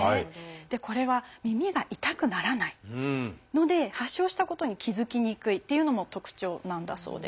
でこれは耳が痛くならないので発症したことに気付きにくいっていうのも特徴なんだそうです。